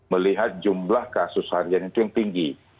melihat jumlah kasus harian itu yang tinggi